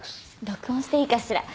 録音していいかしら？